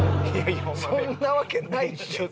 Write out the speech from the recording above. そんなわけないでしょ。